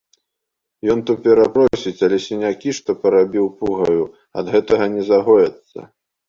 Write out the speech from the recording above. Ён то перапросіць, але сінякі, што парабіў пугаю, ад гэтага не загояцца.